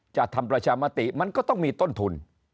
ทำประชามติมันก็ต้องมีต้นทุน